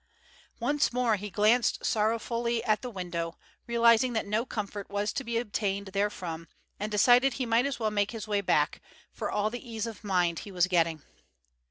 Once more he glanced sorrowfully at the window, realizing that no comfort was to be obtained therefrom, and decided he might as well make his way back, for all the ease of mind he was getting.